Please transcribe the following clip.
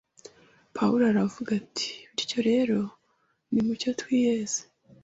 Pawulo aravuga ati, ” …Bityo rero nimucyo twiyeze